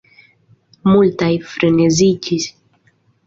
Multaj freneziĝis.